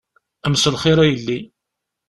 Mselxir a yelli.